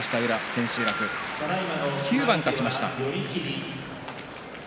千秋楽、９番勝ちました。